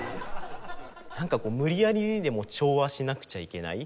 なんか無理やりにでも調和しなくちゃいけない。